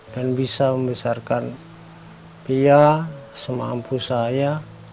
dan bisa membesarkan fia semampu saya